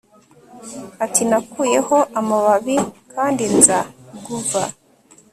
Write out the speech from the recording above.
ati nakuyeho amababi kandi nza guva